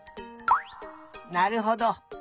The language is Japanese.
なるほど。